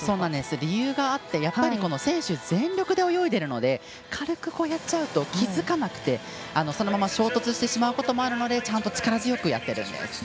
理由があって、選手、全力で泳いでいるので軽くやっちゃうと気付かなくてそのまま衝突してしまうこともあるのでちゃんと力強くやってるんです。